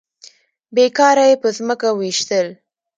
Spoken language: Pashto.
بې کاره يې په ځمکه ويشتل.